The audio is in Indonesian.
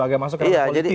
agak masuk ke ranah politik